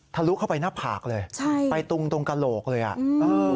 ลุเข้าไปหน้าผากเลยใช่ไปตรงตรงกระโหลกเลยอ่ะเออ